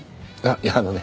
いやあのね